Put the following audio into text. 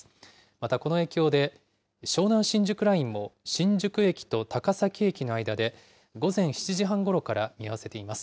またこの影響で、湘南新宿ラインも新宿駅と高崎駅の間で、午前７時半ごろから見合わせています。